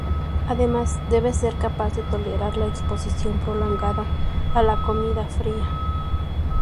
Además, debe ser capaz de tolerar la exposición prolongada a la comida fría.